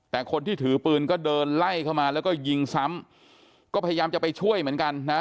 แต่คนที่ถือปืนก็เดินไล่เข้ามาแล้วก็ยิงซ้ำก็พยายามจะไปช่วยเหมือนกันนะ